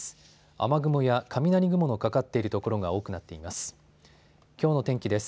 雨雲や雷雲のかかっている所が多くなっています。